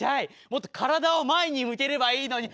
もっと体を前に向ければいいのに。